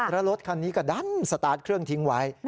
แล้วรถคันนี้ก็ดันสตาร์ทเครื่องทิ้งไว้